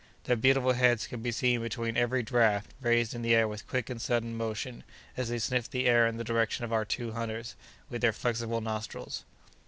Their beautiful heads could be seen between every draught, raised in the air with quick and sudden motion as they sniffed the wind in the direction of our two hunters, with their flexible nostrils.